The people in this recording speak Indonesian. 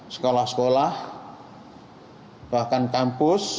sekolah sekolah bahkan kampus